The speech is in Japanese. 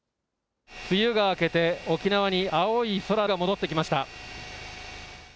梅雨が明けて、沖縄に青い空が戻ってきました。